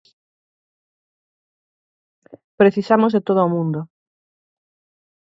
Precisamos de todo o mundo.